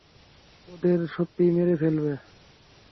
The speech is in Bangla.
ওদের সত্যিই মেরে ফেলবে?